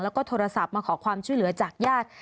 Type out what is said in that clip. แล้วก็โทรศัพท์มาขอความช่วยเหลือจากญาติ